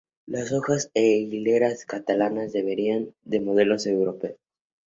Las hojas de hileras catalanas derivan de modelos europeos.